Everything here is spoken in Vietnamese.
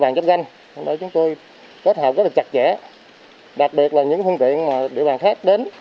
bàn chấp nhanh chúng tôi kết hợp rất là chặt chẽ đặc biệt là những thương tiện mà địa bàn khác